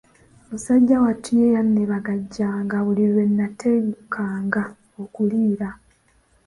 Musajja wattu, ye yanneebagajjanga buli lwe nnatengukanga okulira.